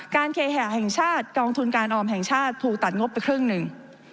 เคหะแห่งชาติกองทุนการออมแห่งชาติถูกตัดงบไปครึ่งหนึ่ง